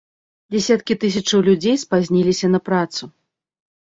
Дзясяткі тысячаў людзей спазніліся на працу.